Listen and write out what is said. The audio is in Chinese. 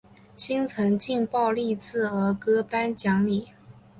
新城劲爆励志儿歌颁奖礼。